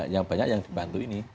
yang banyak yang dibantu ini